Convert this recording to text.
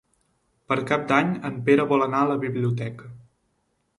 Per Cap d'Any en Pere vol anar a la biblioteca.